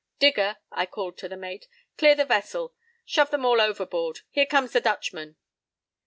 p> "Digger!" I called to the mate. "Clear the vessel! Shove them all overboard! Here comes the Dutchman!"